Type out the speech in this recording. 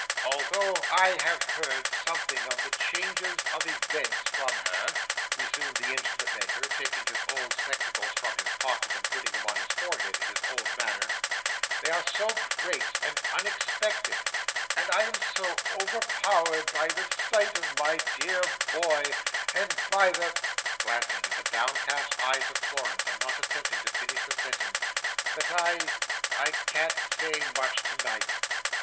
"Although I have heard something of the changes of events, from her," resumed the Instrument maker, taking his old spectacles from his pocket, and putting them on his forehead in his old manner, "they are so great and unexpected, and I am so overpowered by the sight of my dear boy, and by the,"—glancing at the downcast eyes of Florence, and not attempting to finish the sentence—"that I—I can't say much tonight.